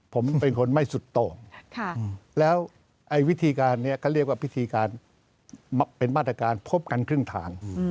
ผมเป็นคนไม่สุดโต่งแล้วไอ้วิธีการนี้เขาเรียกว่าวิธีการเป็นมาตรการพบกันครึ่งทาง